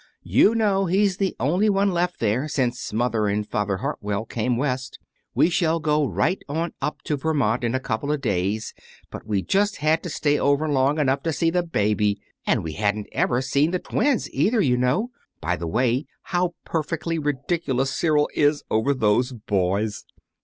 "You know he's the only one left there, since Mother and Father Hartwell came West. We shall go right on up to Vermont in a couple of days, but we just had to stay over long enough to see the baby; and we hadn't ever seen the twins, either, you know. By the way, how perfectly ridiculous Cyril is over those boys!"